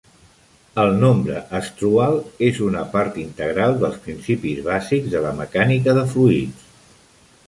El nombre Strouhal és una part integral dels principis bàsics de la mecànica de fluids.